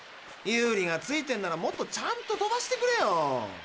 ユーリがついてるならもっとちゃんと飛ばしてくれよ。